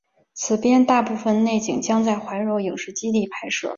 此片大部分内景将在怀柔影视基地拍摄。